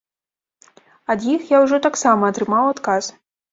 Ад іх я ўжо таксама атрымаў адказ.